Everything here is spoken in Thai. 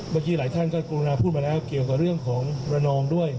เมื่อกี้หลายท่านก็กรุณาพูดมาแล้วเกี่ยวกับเรื่องของระนองด้วย